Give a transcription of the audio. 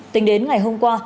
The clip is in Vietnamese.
tính đến ngày hôm qua